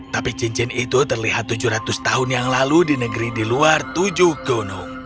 tapi cincin itu terlihat tujuh ratus tahun yang lalu di negeri di luar tujuh gunung